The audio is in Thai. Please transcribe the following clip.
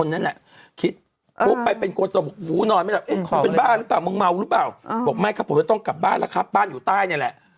เห็นแหละคิดไปเป็นตรงรสงค์หมูนอนไหมและเป็นบ้านเบาบอกไม่ก็ต้องกลับบ้านและครับบ้านอยู่ใต้นั่นแหละ